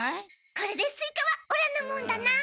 これでスイカはオラのもんだな。